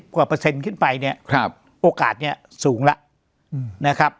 กว่าเปอร์เซ็นต์ขึ้นไปเนี่ยโอกาสเนี่ยสูงแล้วนะครับ